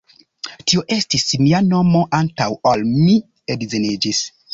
Tio estis mia nomo antaŭ ol mi edziniĝis!